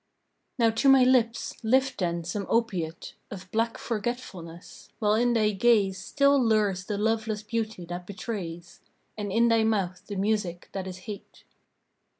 Now to my lips lift then some opiate Of black forgetfulness! while in thy gaze Still lures the loveless beauty that betrays, And in thy mouth the music that is hate.